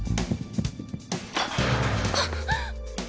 あっ！